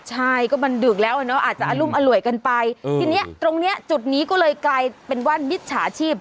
ใช่ก็มันดึกแล้วอ่ะเนอะอาจจะอรุมอร่วยกันไปทีเนี้ยตรงเนี้ยจุดนี้ก็เลยกลายเป็นว่ามิจฉาชีพ